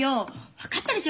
分かったでしょ